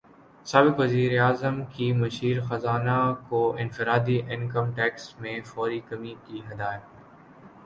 سابق وزیراعظم کی مشیر خزانہ کو انفرادی انکم ٹیکس میں فوری کمی کی ہدایت